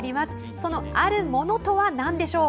その、あるものとはなんでしょう。